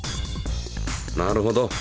なるほど。